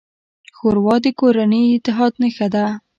ښوروا د کورني اتحاد نښه ده.